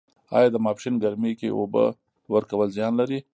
آیا د ماسپښین ګرمۍ کې اوبه ورکول زیان لري؟